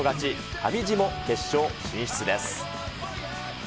上地も決勝進出です。